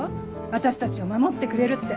私たちを守ってくれるって。